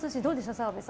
澤部さん。